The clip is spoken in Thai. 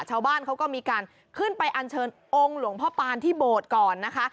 ชาวบ้านเขาก็มีการขึ้นไปอัญเชิญองค์หลวงพ่อปานที่โบสถ์ก่อนนะคะ